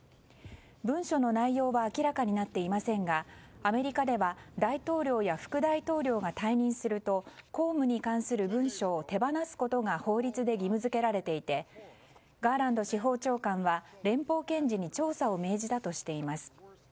文書の内容は明らかになっていませんがアメリカでは大統領や副大統領が退任すると公務に関する文書を手放すことが法律で義務付けられていてガーランド司法長官は連邦検事に調査を命じたとしています。